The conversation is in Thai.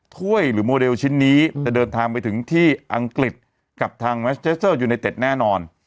ถ้วยหรือโมเดลชิ้นนี้จะเดินทางไปถึงที่อังกฤษกลับทางแน่นอน